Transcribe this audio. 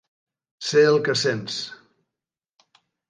Sé el que sents.